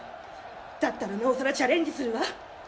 「だったらなおさらチャレンジするわ」。